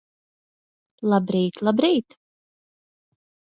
Labrīt, labrīt!